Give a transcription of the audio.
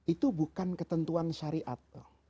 itu bukan ketentuan syariat